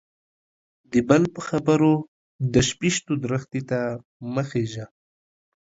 د بل په خبرو د شپيشتو درختي ته مه خيژه.